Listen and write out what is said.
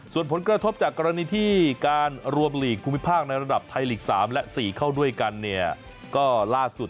ส่วนผลกระทบจากกรณีที่การรวมหลีกภูมิภาคในระดับไทยลีก๓และ๔เข้าด้วยกันเนี่ยก็ล่าสุด